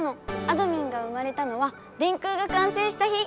あどミンが生まれたのは電空がかんせいした日！